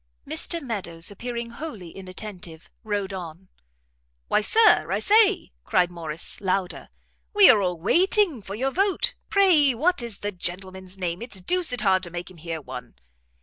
Mr Meadows, appearing wholly inattentive, rode on. "Why, Sir, I say!" cried Morrice, louder, "we are all waiting for your vote. Pray what is the gentleman's name? it's deuced hard to make him hear one."